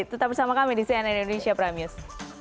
tetap bersama kami di cnn indonesia prime news